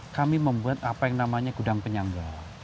kami membuat apa yang namanya gudang penyangga